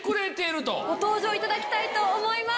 ご登場いただきたいと思います。